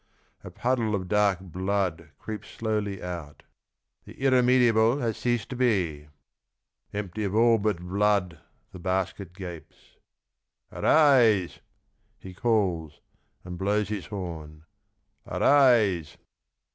A puddle of dark blood Creeps slowly out. " The irremediable Has ceased to be." Empty of all but blood the basket gapes. " Arise !" he calls and blows his horn. " Arise